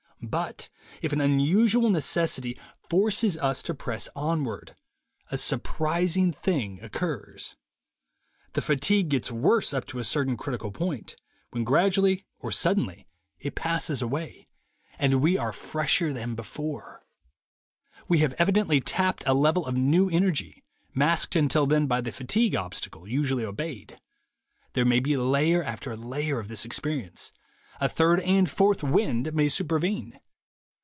But if an unusual necessity forces us to press onward, a surprising thing occurs. The fatigue gets worse up to a certain critical point, when gradually or suddenly it passes THE WAY TO WILL POWER 139 away, and we are fresher than before. We have evidently tapped a level of new energy, masked until then by the fatigue obstacle usually obeyed. There may be layer after layer of this experience. A third and fourth 'wind' may supervene.